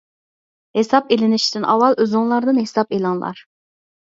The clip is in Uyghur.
ھېساب ئېلىنىشتىن ئاۋۋال ئۆزۈڭلاردىن ھېساب ئېلىڭلار.